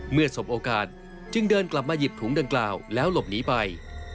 สมโอกาสจึงเดินกลับมาหยิบถุงดังกล่าวแล้วหลบหนีไป